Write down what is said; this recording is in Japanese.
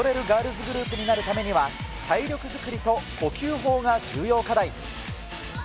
ガールズグループになるためには、体力作りと呼吸法が重要課題。